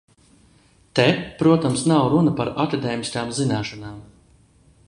Te, protams, nav runa par akadēmiskām zināšanām.